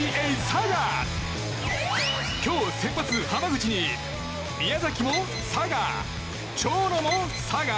今日先発、濱口に宮崎も佐賀長野も佐賀！